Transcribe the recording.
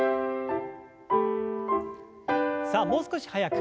さあもう少し速く。